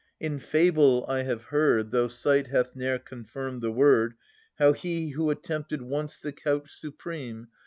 In fable I have heard, Though sight hath ne'er confirmed the word, How he who attempted once the couch supreme.